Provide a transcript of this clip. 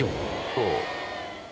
そう。